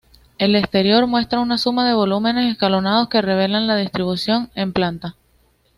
El exterior muestra una suma de volúmenes escalonados que revelan la distribución en planta.